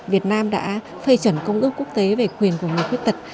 việt nam đã phê chuẩn công ước quốc tế về quyền của người khuyết tật